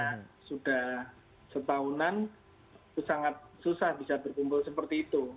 karena sudah setahunan sangat susah bisa berkumpul seperti itu